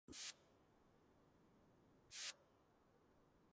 მართლაც, ზოგიერთმა მათგანმა კოსმოსური ხომალდების სიჩქარე მკვეთრად გაზარდა.